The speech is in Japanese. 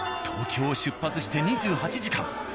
東京を出発して２８時間。